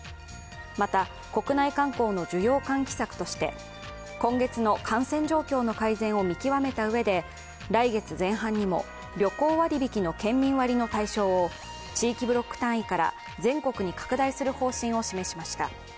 また、国内観光の需要喚起策として今月の感染状況の改善を見極めたうえで来月前半にも旅行割引の県民割の対象を地域ブロック単位から全国に拡大する方針を示しました。